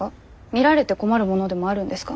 見られて困るものでもあるんですか？